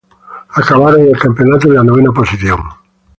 Acabaron el campeonato en la novena posición.